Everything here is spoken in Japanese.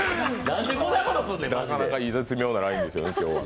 なかなか絶妙なラインですね、今日は。